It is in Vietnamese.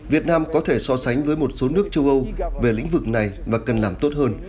việt nam có thể so sánh với một số nước châu âu về lĩnh vực này và cần làm tốt hơn